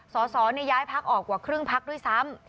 สสย้ายพักออกกว่าครึ่งพักด้วยซ้ำ